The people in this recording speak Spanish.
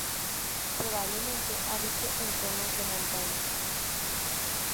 Probablemente habite en zonas de montaña.